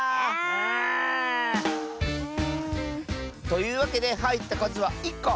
というわけではいったかずは１こ。